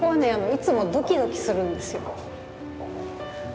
いつもドキドキするんですよ。